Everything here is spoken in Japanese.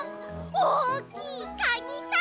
おおきいカニさん。